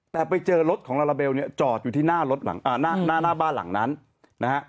แต่ไปเจอรถของลาลาเบลเนี่ยจอดอยู่ที่หน้ารถหลังหน้าบ้านหลังนั้นนะฮะ